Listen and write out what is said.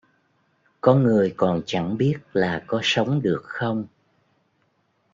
Có người còn chẳng biết là có sống được không